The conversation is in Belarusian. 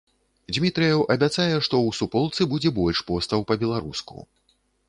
Дзмітрыеў абяцае, што ў суполцы будзе больш постаў па-беларуску.